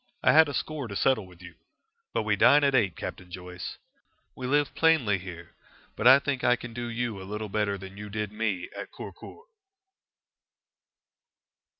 I had a score to settle with you. But we dine at eight, Captain Joyce. We live plainly here, but I think I can do you a little better than you did me at Kurkur."